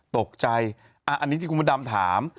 ตกใจอันนี้ที่คุณพระดำถาม